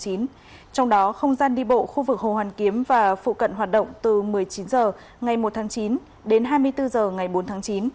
trong đó không gian đi bộ khu vực hồ hoàn kiếm và phụ cận hoạt động từ một mươi chín h ngày một tháng chín đến hai mươi bốn h ngày bốn tháng chín